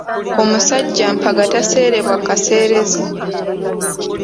Omusajja mpanga taseerebwa kaseerezi.